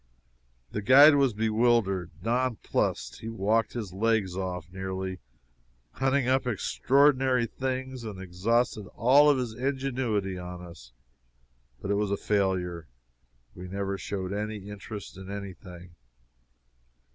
The guide was bewildered non plussed. He walked his legs off, nearly, hunting up extraordinary things, and exhausted all his ingenuity on us, but it was a failure; we never showed any interest in any thing.